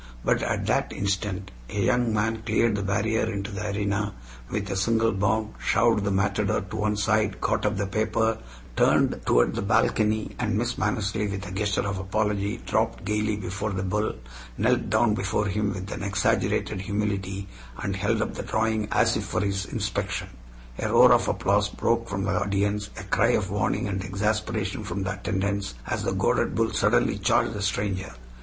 But at that instant a young man cleared the barrier into the arena with a single bound, shoved the matador to one side, caught up the paper, turned toward the balcony and Miss Mannersley with a gesture of apology, dropped gaily before the bull, knelt down before him with an exaggerated humility, and held up the drawing as if for his inspection. A roar of applause broke from the audience, a cry of warning and exasperation from the attendants, as the goaded bull suddenly charged the stranger.